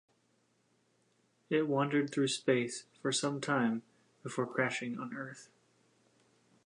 It wandered through space for some time before crashing on Earth.